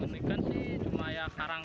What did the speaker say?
keunikan sih cuma karang karang sih